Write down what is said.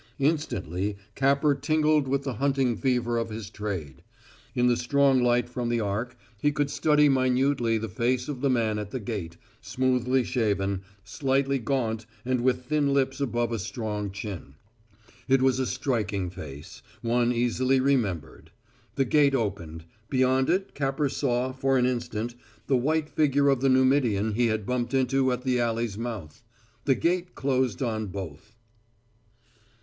Instantly Capper tingled with the hunting fever of his trade. In the strong light from the arc he could study minutely the face of the man at the gate smoothly shaven, slightly gaunt and with thin lips above a strong chin. It was a striking face one easily remembered. The gate opened; beyond it Capper saw, for an instant, the white figure of the Numidian he had bumped into at the alley's mouth. The gate closed on both.